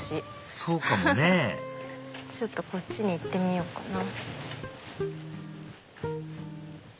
そうかもねちょっとこっちに行ってみようかな。